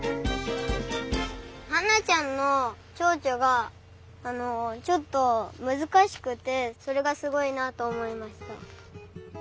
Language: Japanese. ハンナちゃんのチョウチョがちょっとむずかしくてそれがすごいなとおもいました。